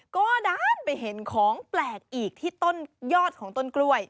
ก็ด้านไปเห็นของแปลกอีกที่ต้นยอดของต้นกล้วย